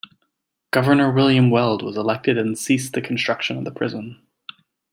Governor William Weld was elected and ceased the construction of the prison.